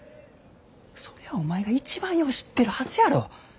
それはお前が一番よう知ってるはずやろ。